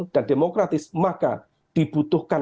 dan demokratis maka dibutuhkan